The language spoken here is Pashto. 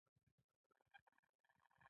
د کندز پسته هم بازار لري.